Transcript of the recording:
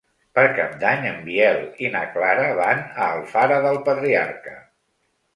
Per Cap d'Any en Biel i na Clara van a Alfara del Patriarca.